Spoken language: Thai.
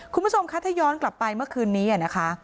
คุณผู้ชมคะถ้าย้อนกลับไปเมื่อคืนนี้นะคะ